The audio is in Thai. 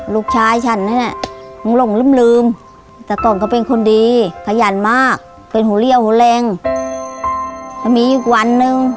ลูกชายฉันมองลงลุ้มแต่ก่อนก็เป็นคนดีขยันมากเป็นหูเรียวหูแรง